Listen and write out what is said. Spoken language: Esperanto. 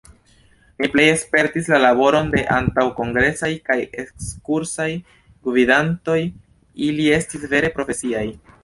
Mi plej spertis la laboron de antaŭkongresaj kaj ekskursaj gvidantoj: ili estis vere profesiaj.